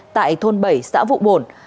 tại thôn bảy xã vụ bồn